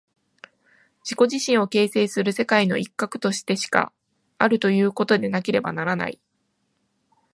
自己自身を形成する世界の一角としてしかあるということでなければならない。